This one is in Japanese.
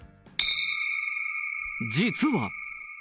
実は。